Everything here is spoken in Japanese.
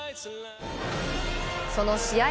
その試合